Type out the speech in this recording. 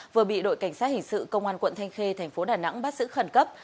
vừa bị đội cảnh sát hình sự công an tp tp đà nẵng bắt giữ khẩn cấp